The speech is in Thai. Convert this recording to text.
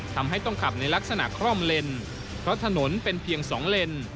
ทำให้ต้องขับในลักษณะคล่อมเลนเพราะถนนเป็นเพียงสองเลน